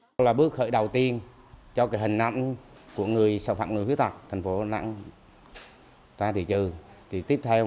đây là bước khởi đầu tiên cho cái hình nắng của người sản phẩm người khuyết tật thành phố nắng ra thị trường